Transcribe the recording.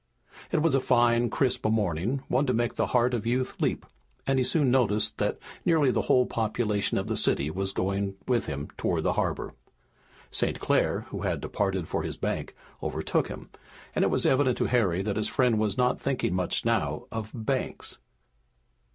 It was a fine, crisp morning, one to make the heart of youth leap, and he soon noticed that nearly the whole population of the city was going with him toward the harbor. St. Clair, who had departed for his bank, overtook him, and it was evident to Harry that his friend was not thinking much now of banks.